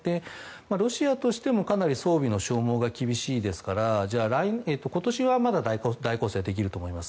ロシアとしてもかなり装備の消耗が厳しいので今年はまだ大攻勢できると思います。